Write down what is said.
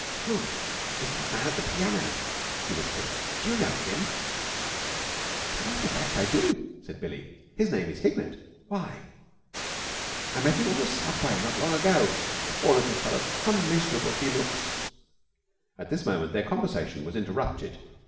"Who is that man at the piano?" she whispered. "Do you know him?" "As a matter of fact, I do," said Billie. "His name is Hignett. Why?" "I met him on the Subway not long ago. Poor little fellow, how miserable he looks!" At this moment their conversation was interrupted.